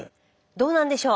どうなんでしょう。